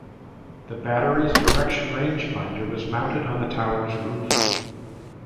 The battery's Direction Range Finder was mounted on the tower's roof.